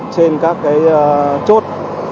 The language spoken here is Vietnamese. trên các cái chốt